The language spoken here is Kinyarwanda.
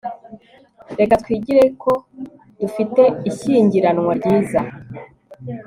Reka twigire ko dufite ishyingiranwa ryiza